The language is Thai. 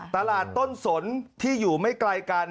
ตลาดต้นสนที่อยู่ไม่ไกลกัน